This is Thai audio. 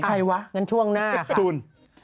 ใครวะงั้นช่วงหน้าค่ะตูน